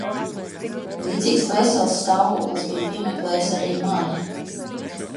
Līdzīgs dvēseles stāvoklis bija piemeklējis arī mani.